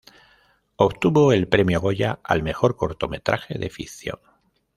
Obtuvo el Premio Goya al mejor cortometraje de ficción.